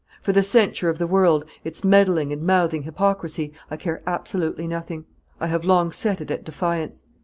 For the censure of the world, its meddling and mouthing hypocrisy, I care absolutely nothing; I have long set it at defiance.